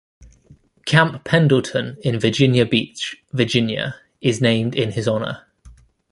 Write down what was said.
Camp Pendleton in Virginia Beach, Virginia, is named in his honor.